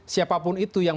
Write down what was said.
siapapun itu yang